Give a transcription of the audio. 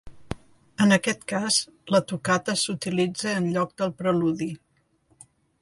En aquest cas, la tocata s'utilitza en lloc del preludi.